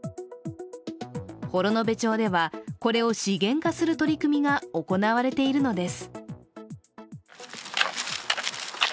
幌延町では、これを資源化する取り組みが行われているのです。